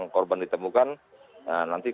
korban ditemukan nanti